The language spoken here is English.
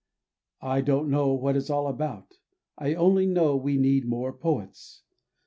I don't know what it's all about. I only know we need more poets.